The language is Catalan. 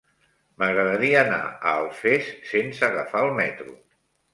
M'agradaria anar a Alfés sense agafar el metro.